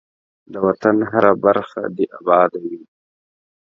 ده وطن هره برخه دی اباده وی.